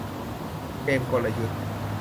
เกมกลยุทธ์